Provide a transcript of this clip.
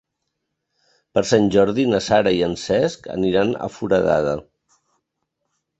Per Sant Jordi na Sara i en Cesc aniran a Foradada.